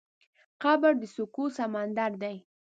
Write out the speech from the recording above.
قبر د سکوت سمندر دی.